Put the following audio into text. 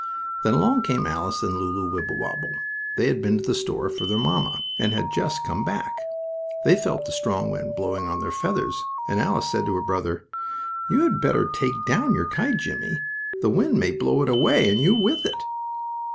Then long came Alice and Lulu Wibblewobble. They had been to the store for their mamma, and had just come back. They felt the strong wind blowing on their feathers, and Alice said to her brother: "You had better take down your kite, Jimmie. The wind may blow it away, and you with it."